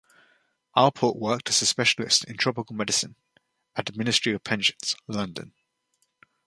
Alport worked as a specialist in tropical medicine at the Ministry of Pensions, London.